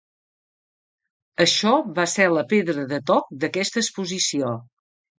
Això va ser la pedra de toc d'aquesta exposició.